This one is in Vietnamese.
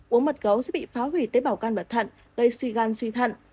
uống mật gấu sẽ bị phá hủy tế bào can và thận gây suy gan suy thận